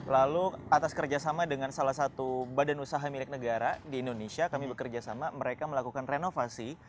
lalu atas kerjasama dengan salah satu badan usaha milik negara di indonesia kami bekerja sama mereka melakukan renovasi